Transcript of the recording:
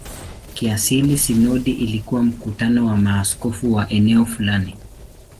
Kiasili sinodi ilikuwa mkutano wa maaskofu wa eneo fulani.